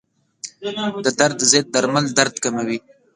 د درد ضد درمل درد کموي.